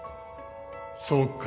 そうか。